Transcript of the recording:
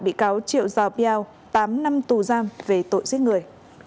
bị cáo triệu giò piao tám năm tù giam về tội giết người